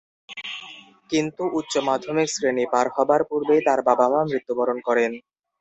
কিন্তু উচ্চ মাধ্যমিক শ্রেণী পার হবার পূর্বেই তার বাবা-মা মৃত্যুবরণ করেন।